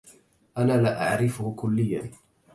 أنا لا أعرفه كلياً.